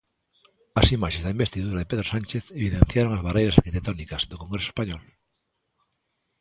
As imaxes da investidura de Pedro Sánchez evidenciaron as barreiras arquitectónicas do Congreso español.